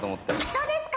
どうですか？